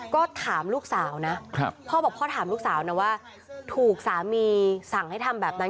ก็ถามลูกสาวนะพ่อบอกพ่อถามลูกสาวนะว่าถูกสามีสั่งให้ทำแบบนั้น